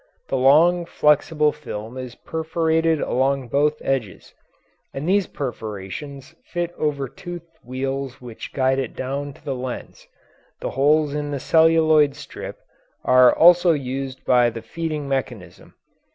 The long, flexible film is perforated along both edges, and these perforations fit over toothed wheels which guide it down to the lens; the holes in the celluloid strip are also used by the feeding mechanism.